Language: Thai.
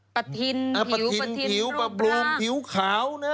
ประทินผิวประทินรูปร่างประทินผิวประบรูมผิวขาวนะ